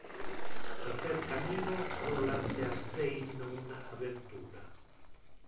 Facer camino pro lancear se in un aventura.